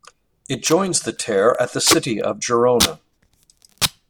It joins the Ter at the city of Girona.